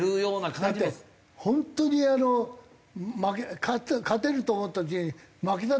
だって本当に勝てると思った試合に負けた時の。